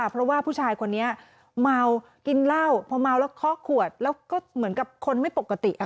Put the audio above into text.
เพราะว่าผู้ชายคนนี้เมากินเหล้าพอเมาแล้วเคาะขวดแล้วก็เหมือนกับคนไม่ปกติ